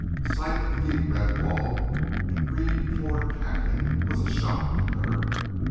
Sight of the deep red walled and green floored canyon was a shock to her.